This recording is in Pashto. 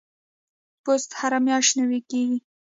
پوست هره میاشت نوي کیږي.